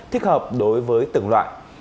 thích hợp đối với từng loại